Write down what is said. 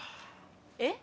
えっ？